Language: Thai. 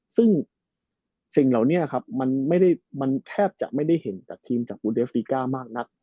ซึ่งสิ่งเหล่านี้ครับมันแทบจะไม่ได้เห็นจากทีมจากอูเดฟริก้ามากนัก